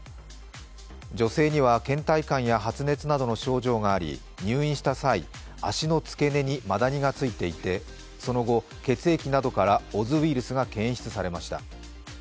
女性にはけん怠感や発熱などの症状があり、入院した際、足の付け根にマダニがついていてその後、血液などからオズウイルスが検出されました。